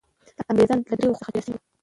انګریزان له دریو خواوو څخه را چاپېر سوي وو.